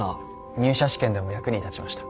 入社試験でも役に立ちました。